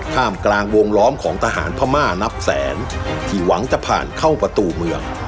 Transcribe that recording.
ท่ามกลางวงล้อมของทหารพม่านับแสนที่หวังจะผ่านเข้าประตูเมือง